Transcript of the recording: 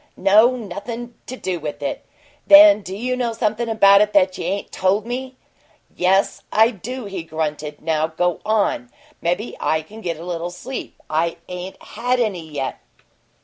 "No. Nothin' to do with it." "Then do you know something about it that you ain't told me?" "Yes, I do," he grunted. "Now go on. Maybe I can get a little sleep. I ain't had any yet!"